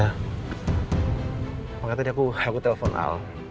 makanya tadi aku telepon al